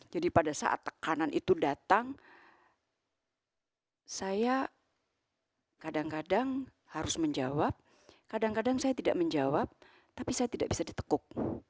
pada saat tekanan itu datang saya kadang kadang harus menjawab kadang kadang saya tidak menjawab tapi saya tidak bisa ditekuk